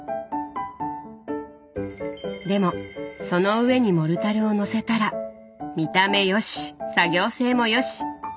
でもその上にモルタルを載せたら見た目よし作業性もよし！